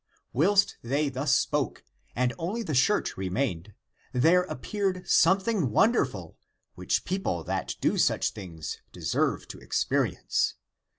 Whilst they thus spoke and only the shirt remained, there appeared something wonderful, which people that do such things deserve to ex perience.